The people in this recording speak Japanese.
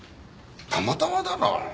たまたまだろう